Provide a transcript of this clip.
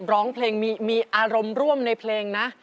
ร้องเพลงมีอารมณ์ร่วมในเพลงนะ